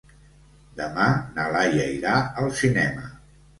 Demà na Laia irà al cinema.